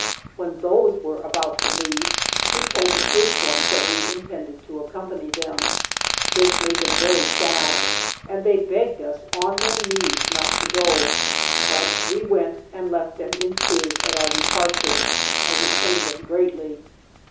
When those were about to leave we told the first ones that we intended to accompany them. This made them very sad, and they begged us on their knees not to go. But we went and left them in tears at our departure, as it pained them greatly.